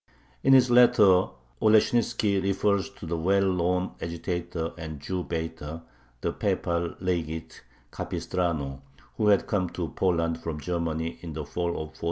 In his letter Oleshnitzki refers to the well known agitator and Jew baiter, the Papal Legate Capistrano, who had come to Poland from Germany in the fall of 1453.